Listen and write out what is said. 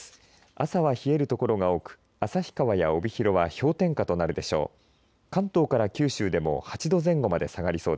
朝は冷える所が多く旭川や帯広は氷点下となるでしょう。